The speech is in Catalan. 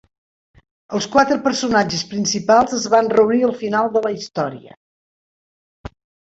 Els quatre personatges principals es van reunir al final de la història.